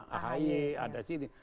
ahy ada sini